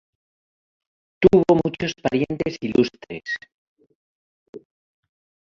Tuvo muchos parientes ilustres.